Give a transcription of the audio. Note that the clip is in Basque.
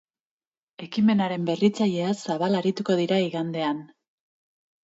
Ekimenaren berritzaileaz zabal arituko dira igandean.